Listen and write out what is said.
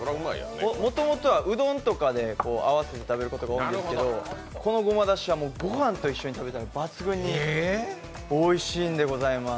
もともとはうどんとかで合わせて食べることが多いんですけど、このごまだしはご飯と一緒に食べたら抜群においしいんでございます。